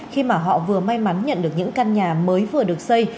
khi mà họ vừa may mắn nhận được những căn nhà mới vừa được xây